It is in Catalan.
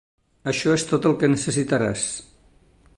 Això és tot el que necessitaràs.